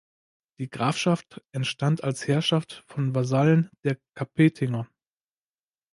Die Grafschaft entstand als Herrschaft von Vasallen der Kapetinger.